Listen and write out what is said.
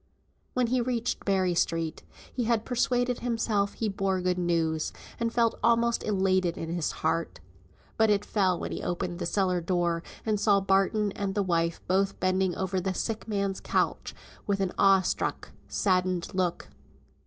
When he reached Berry Street, he had persuaded himself he bore good news, and felt almost elated in his heart. But it fell when he opened the cellar door, and saw Barton and the wife both bending over the sick man's couch with awe struck, saddened look.